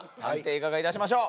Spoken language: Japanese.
いかがいたしましょう？